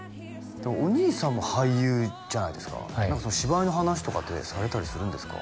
お兄さんも俳優じゃないですか芝居の話とかってされたりするんですか？